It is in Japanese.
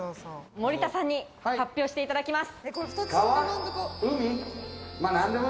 森田さんに発表していただきます。